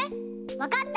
わかった！